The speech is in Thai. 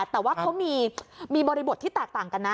แต่ว่าเขามีบริบทที่แตกต่างกันนะ